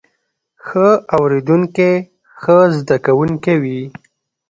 ښه اوریدونکی ښه زده کوونکی وي